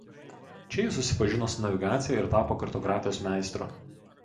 Čia jis susipažino su navigacija ir tapo kartografijos meistru.